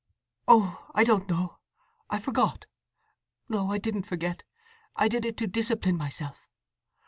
"Oh—I don't know—I forgot! No, I didn't forget. I did it to discipline myself.